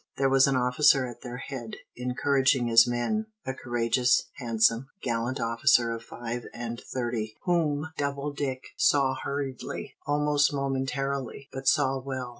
There was an officer at their head, encouraging his men, a courageous, handsome, gallant officer of five and thirty, whom Doubledick saw hurriedly, almost momentarily, but saw well.